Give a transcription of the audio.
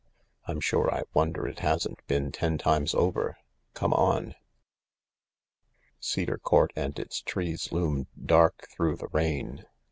I'm sure I wonder it hasn't been ten times over. Come on." Cedar Court and its trees loomed dark through the rain.